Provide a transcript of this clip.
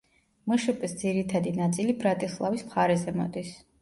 მშპ-ის ძირითადი ნაწილი ბრატისლავის მხარეზე მოდის.